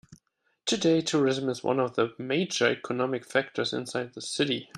Today, tourism is one of the major economic factors inside the city.